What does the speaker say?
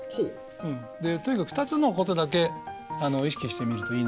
でとにかく２つのことだけ意識してみるといいなと思うんですよね。